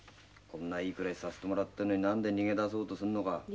こんないい暮らしさせてもらってんのに何で逃げ出そうとすんのか。